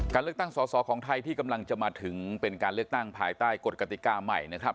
เลือกตั้งสอสอของไทยที่กำลังจะมาถึงเป็นการเลือกตั้งภายใต้กฎกติกาใหม่นะครับ